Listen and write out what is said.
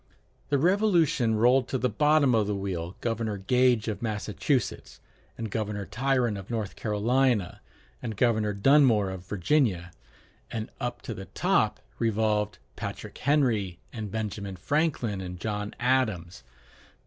The Revolution rolled to the bottom of the wheel Governor Gage of Massachusetts, and Governor Tryon of North Carolina, and Governor Dunmore of Virginia; and up to the top revolved Patrick Henry, and Benjamin Franklin, and John Adams.